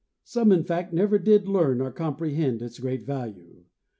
Some in fact never did learn or comprehend its great value.